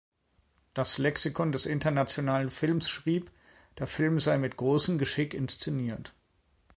Das Lexikon des internationalen Films schrieb, der Film sei "„mit großem Geschick“" inszeniert.